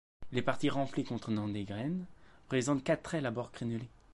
Les parties renflées contenant des graines présentent quatre ailes à bords crénelés.